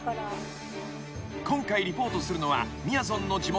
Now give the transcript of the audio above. ［今回リポートするのはみやぞんの地元］